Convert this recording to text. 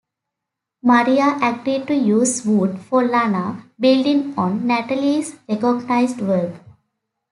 Maria agreed to use "Wood" for Lana, building on Natalie's recognized work.